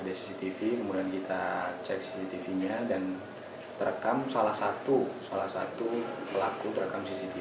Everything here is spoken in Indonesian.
ada cctv kemudian kita cek cctv nya dan terekam salah satu salah satu pelaku terekam cctv